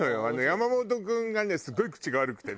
山本君がねすごい口が悪くてね。